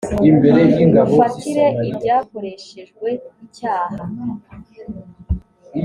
mufatire ibyakoreshejwe icyaha .